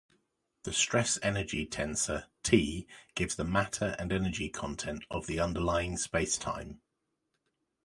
The stress-energy tensor "T" gives the matter and energy content of the underlying spacetime.